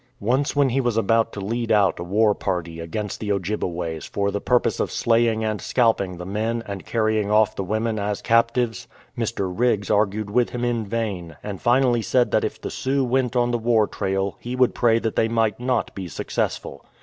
Once when he was about to lead out a war party against the Ojjibeways for the purpose of slaying and scalping the men and carrying off the women as captives, Mr. Riggs argued with him in vain, and finally said that if the Sioux went on the war trail he would pray that they might not be successful.